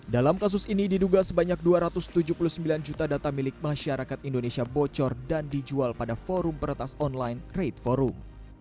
dalam kasus ini diduga sebanyak dua ratus tujuh puluh sembilan juta data milik masyarakat indonesia bocor dan dijual pada forum peretas online rate forum